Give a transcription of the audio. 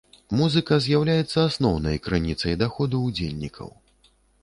Музыка з'яўляецца асноўнай крыніцай даходу ўдзельнікаў.